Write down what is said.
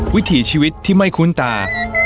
วิถีชีวิตที่ไม่คุ้นตา